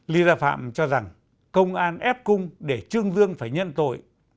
ly gia phạm cho rằng công an ép cung để trương dương phải nhận tội